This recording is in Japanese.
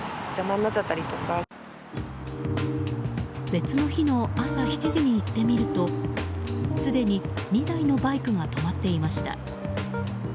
別の日の朝７時に行ってみるとすでに２台のバイクが止まっていました。